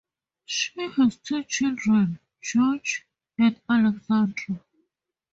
She has two children, Georg and Alexandra.